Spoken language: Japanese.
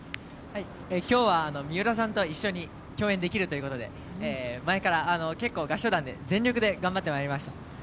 今日は、三浦さんと一緒に共演できるということで合唱団で全力で頑張ってまいりました。